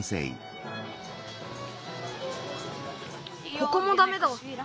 ここもダメだ。